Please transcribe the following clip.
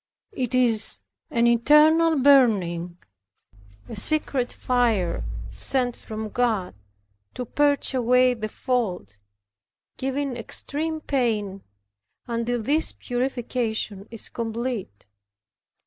It is an internal burning, a secret fire sent from God to purge away the fault, giving extreme pain, until this purification is complete.